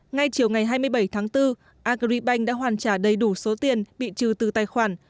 ngay chiều ngày hai mươi bảy tháng bốn agribank đã hoàn trả đầy đủ số tiền bị trừ từ tài khoản